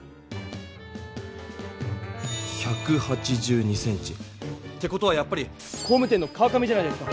１８２ｃｍって事はやっぱり工務店の川上じゃないですか？